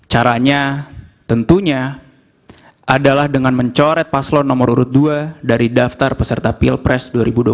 caranya tentunya adalah dengan mencoret paslon nomor urut dua dari daftar peserta pilpres dua ribu dua puluh